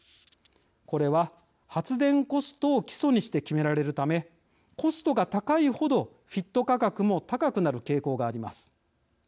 これは、発電コストを基礎にして決められるためコストが高い程、ＦＩＴ価格も高くなる傾向があります。